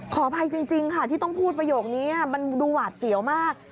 ขออภัยจริงค่ะที่ต้องพูดประโยคนี้มันดูหวาดเสียวมาก